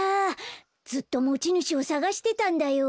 ずっともちぬしをさがしてたんだよ。